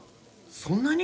そんなに？